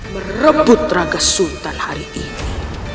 merebut tenaga sultan hari ini